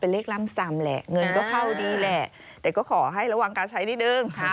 เป็นเลขลัมซามเงินก็เข้าดีแต่ก็ขอให้ระหว่างการใช้นิดนึง